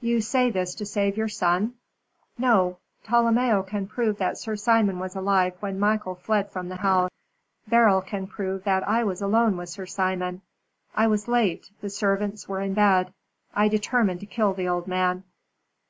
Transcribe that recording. "You say this to save your son?" "No. Tolomeo can prove that Sir Simon was alive when Michael fled from the house. Beryl can prove that I was alone with Sir Simon. It was late the servants were in bed. I determined to kill the old man."